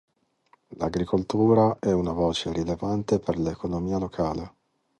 L'agricoltura è una voce rilevante per l'economia locale.